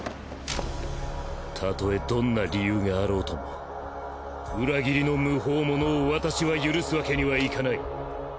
たとえどんな理由があろうとも裏切りの無法者を私は許すわけにはいかない。